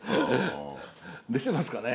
出てますかね。